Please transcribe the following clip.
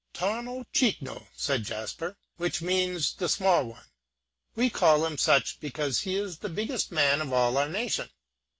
"Tawno Chikno," said Jasper, "which means the small one; we call him such because he is the biggest man of all our nation.